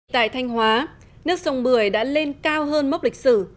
tại thanh hóa nước sông bưởi đã lên cao hơn mốc lịch sử